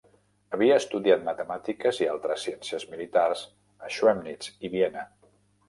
Havia estudiat matemàtiques i altres ciències militars a Schemnitz i Viena.